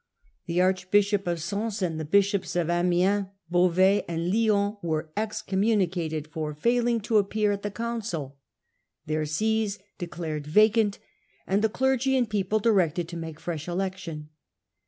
The archbishop of Sons, and the \ bishops of Amiens, Beauvais, and Lyons were excom i municated for fafling to appear at the council; their / sees declared vacant, and the clergy and people directed / to make fresh election.